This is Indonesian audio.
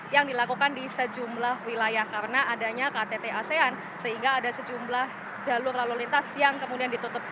yang dilakukan di sejumlah wilayah karena adanya ktt asean sehingga ada sejumlah jalur lalu lintas yang kemudian ditutup